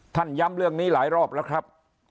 ย้ำเรื่องนี้หลายรอบแล้วครับ